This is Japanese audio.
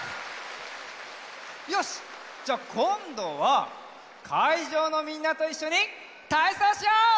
よしじゃあこんどはかいじょうのみんなといっしょにたいそうしよう！